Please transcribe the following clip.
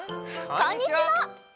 こんにちは。